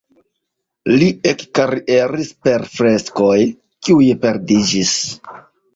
Li ekkarieris per freskoj, kiuj perdiĝis.